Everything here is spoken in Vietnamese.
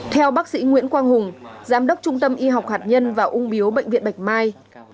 theo bác sĩ nguyễn quang hùng giám đốc trung tâm y học hạt nhân và ung biếu bệnh viện bạch mai